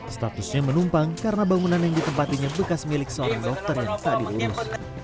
statusnya menumpang karena bangunan yang ditempatinya bekas milik seorang dokter yang tak diurus